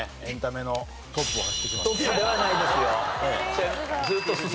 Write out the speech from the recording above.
トップではないですよ。